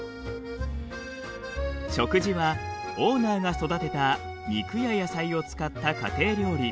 食事はオーナーが育てた肉や野菜を使った家庭料理。